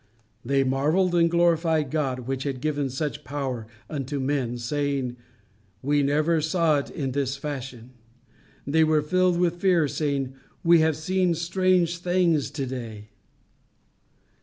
"They marvelled and glorified God which had given such power unto men" "Saying, We never saw it on this fashion." "They were filled with fear, saying, We have seen strange things to day."